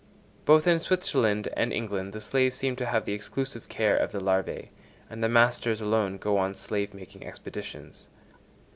Both in Switzerland and England the slaves seem to have the exclusive care of the larvæ, and the masters alone go on slave making expeditions.